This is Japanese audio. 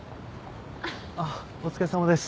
あっお疲れさまです。